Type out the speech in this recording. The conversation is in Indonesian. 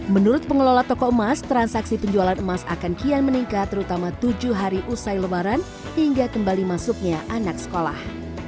menurut pengelola toko emas transaksi penjualan emas akan kian meningkat terutama tujuh hari usai lebaran hingga kembali masuknya anak sekolah